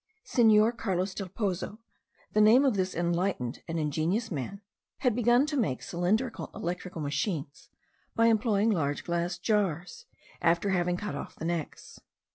Senor Carlos del Pozo, the name of this enlightened and ingenious man, had begun to make cylindrical electrical machines, by employing large glass jars, after having cut off the necks.